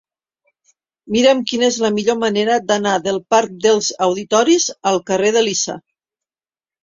Mira'm quina és la millor manera d'anar del parc dels Auditoris al carrer d'Elisa.